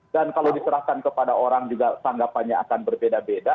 dan kalau diserahkan kepada orang juga tanggapannya akan berbeda beda